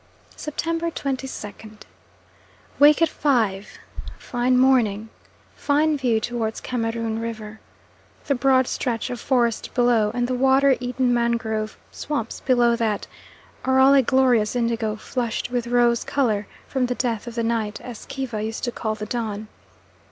September 22nd. Wake at 5. Fine morning. Fine view towards Cameroon River. The broad stretch of forest below, and the water eaten mangrove swamps below that, are all a glorious indigo flushed with rose colour from "the death of the night," as Kiva used to call the dawn.